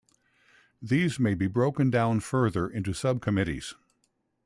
These may be broken down further into sub-committees.